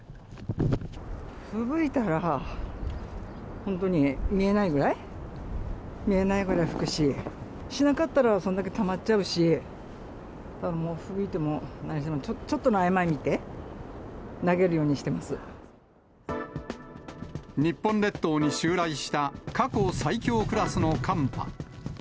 ふぶいたら、本当に見えないぐらい、見えないぐらい吹くし、しなかったらそれだけたまっちゃうし、もう、ふぶいても何しても、ちょっとの合間見て、日本列島に襲来した過去最強クラスの寒波。